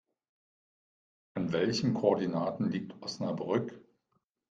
An welchen Koordinaten liegt Osnabrück?